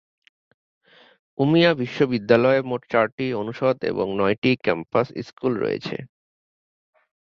Umeå বিশ্ববিদ্যালয়ে মোট চারটি অনুষদ এবং নয়টি ক্যাম্পাস স্কুল রয়েছে।